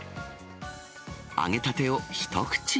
揚げたてを一口。